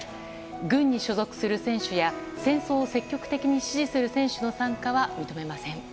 軍に所属する選手や戦争を積極的に支持する選手の参加は認めません。